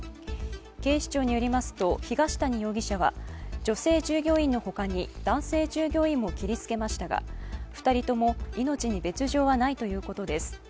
警視庁によりますと、東谷容疑者は女性従業員のほかに男性従業員も切りつけましたが、２人とも命に別状はないということです。